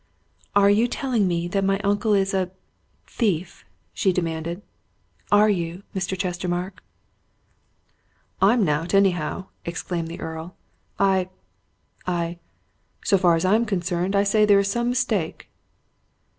"Are you telling me that my uncle is a thief?" she demanded. "Are you, Mr. Chestermarke?" "I'm not, anyhow!" exclaimed the Earl. "I I so far as I'm concerned, I say there's some mistake."